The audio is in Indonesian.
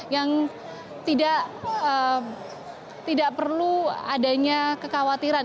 yang tidak perlu adanya kekhawatiran